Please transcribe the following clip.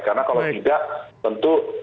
karena kalau tidak tentu